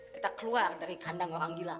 kita keluar dari kandang orang gila